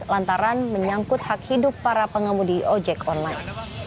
lantaran menyangkut hak hidup para pengemudi ojek online